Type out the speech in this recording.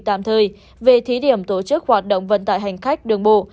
tạm thời về thí điểm tổ chức hoạt động vận tải hành khách đường bộ